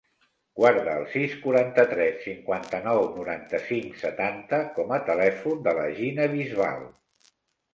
Guarda el sis, quaranta-tres, cinquanta-nou, noranta-cinc, setanta com a telèfon de la Gina Bisbal.